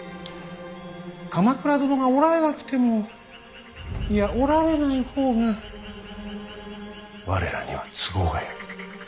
鎌倉殿がおられなくてもいやおられない方が我らには都合がよい。